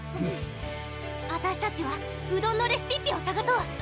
あたしたちはうどんのレシピッピをさがそう！